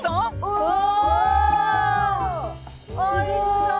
おいしそう！